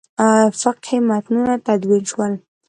فقهي متنونه تدوین شول.